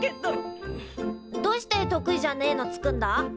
どうして得意じゃねえの作んだ？